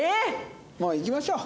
もういきましょう。